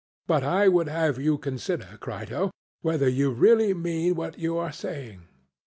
But I would have you consider, Crito, whether you really mean what you are saying.